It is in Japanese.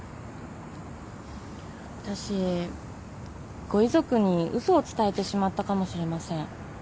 私ご遺族に嘘を伝えてしまったかもしれません。